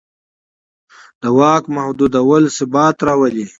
د واک محدودول ثبات راولي